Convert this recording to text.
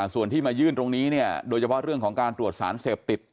ส่วนที่มายื่นตรงนี้เนี่ยโดยเฉพาะเรื่องของการตรวจสารเสพติด